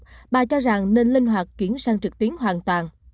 trong bối cảnh f f một bà cho rằng nên linh hoạt chuyển sang trực tuyến hoàn toàn